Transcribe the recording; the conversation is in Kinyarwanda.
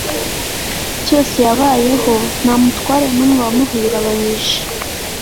cyose yabayeho, nta mutware n'umwe wamuhungabanyije